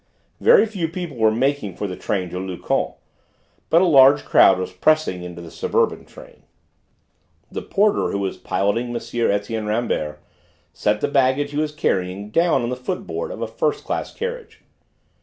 Very few people were making for the train to Luchon; but a large crowd was pressing into the suburban train. The porter who was piloting M. Etienne Rambert, set the baggage he was carrying down on the footboard of a first class carriage.